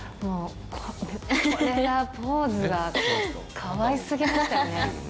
これが、ポーズがかわいすぎましたよね。